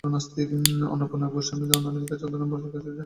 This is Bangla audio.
অন্নপূর্ণা গোস্বামী প্রথমে "অনামিকা" ছদ্মনামে লেখা শুরু করেন।